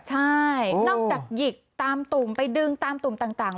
ใช่นอกจากหยิกตามตุ่มไปดึงตามตุ่มต่าง